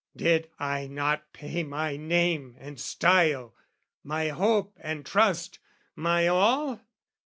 Did I not pay my name and style, my hope And trust, my all?